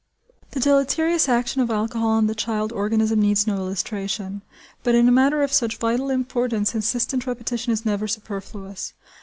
The deleterious action of alcohol on the child organism needs no illustration, but in a matter of such vital importance insistent repetition is never superfluous.